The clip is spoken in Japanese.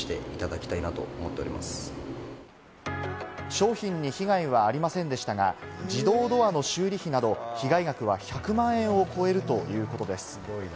商品に被害はありませんでしたが、自動ドアの修理費など、被害額は１００万円を超えるということです。